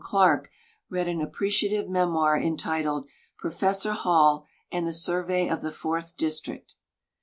Clarke read an appreciative memoir entitled " Professor Hall and the Survey of the Fourth District."